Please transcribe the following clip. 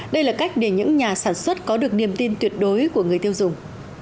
đây là cách để những nhà sản xuất có được niềm tin tuyệt đối của người tiêu dùng